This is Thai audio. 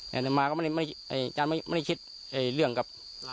แต่มาก็ไม่ได้คิดเรื่องกับ